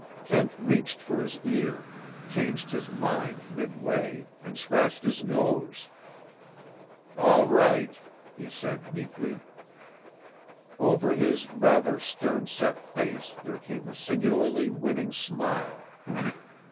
Kent reached for his ear, changed his mind midway, and scratched his nose. "All right," he said meekly. Over his rather stern set face there came a singularly winning smile.